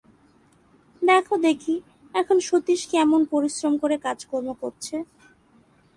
দেখো দেখি, এখন সতীশ কেমন পরিশ্রম করে কাজকর্ম করছে।